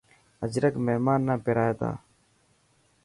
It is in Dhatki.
اجرڪ مهمان نا پيرائي تا.